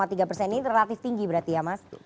ini relatif tinggi berarti ya mas